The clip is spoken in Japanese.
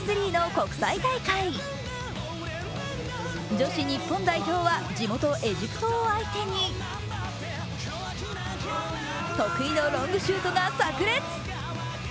女子日本代表は地元エジプトを相手に得意のロングシュートがさく裂。